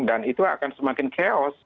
dan itu akan semakin keos